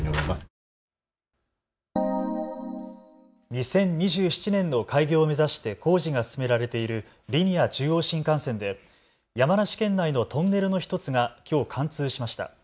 ２０２７年の開業を目指して工事が進められているリニア中央新幹線で山梨県内のトンネルの１つがきょう貫通しました。